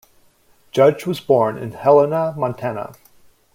Judge was born in Helena, Montana.